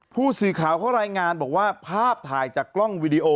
ผู้สื่อข่าวเขารายงานบอกว่าภาพถ่ายจากกล้องวิดีโอ